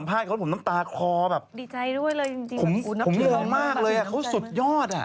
เป็นอย่างนี้มา๑๐กว่าปี